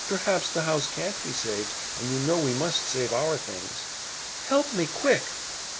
Perhaps the house can't be saved, and you know we must save OUR things. Help me, quick!